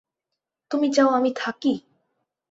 তুমি চাও আমি থাকি?